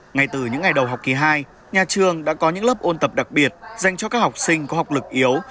ngay từ những ngày đầu học kỳ hai nhà trường đã có những lớp ôn tập đặc biệt dành cho các học sinh có học lực yếu